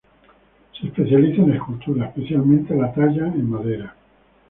Se especializa en escultura, especialmente la talla en madera.